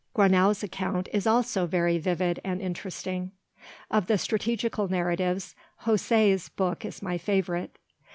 Gronow's account is also very vivid and interesting. Of the strategical narratives, Houssaye's book is my favourite.